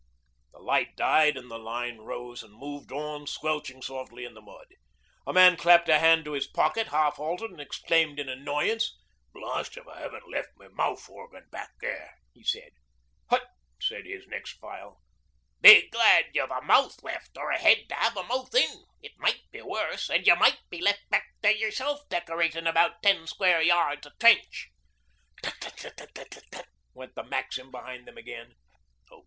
The light died, and the line rose and moved on, squelching softly in the mud. A man clapped a hand to his pocket, half halted and exclaimed in annoyance. 'Blest if I 'aven't left my mouth organ back there,' he said. 'Hutt!' said his next file. 'Be glad ye've a mouth left, or a head to have a mouth. It might be worse, an' ye might be left back there yerself decoratin' about ten square yards of trench.' 'Tut tut tut tut' went the maxim behind them again.